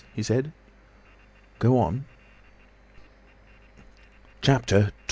he said. "Go on." CHAPTER XXII.